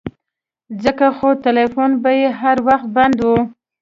ځکه خو ټيلفون به يې هر وخت بند و.